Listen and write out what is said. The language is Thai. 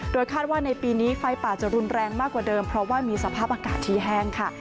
คาดว่าในปีนี้ไฟป่าจะรุนแรงมากกว่าเดิมเพราะว่ามีสภาพอากาศที่แห้งค่ะ